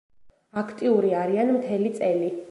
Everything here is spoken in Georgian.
აქტიური არიან მთელი წელი.